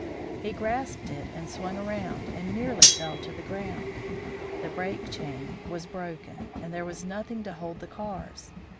He grasped it and swung around, and nearly fell to the ground. The brake chain was broken, and there was nothing to hold the cars.